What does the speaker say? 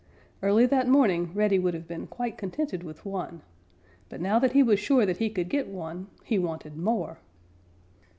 Early that morning Reddy would have been quite contented with one, but now that he was sure that he could get one, he wanted more.